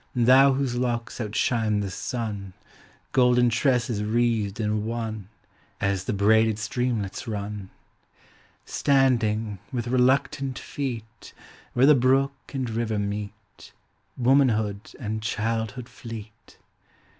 Thou whose locks outshine the sun, Golden tresses wreathed in one. As the braided streamlets run! YOUTH 215 Standing, with reluctant feet, Where the brook and river meet, Womanhood and childhood ileet!